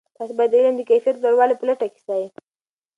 تاسې باید د علم د کیفیت لوړولو په لټه کې سئ.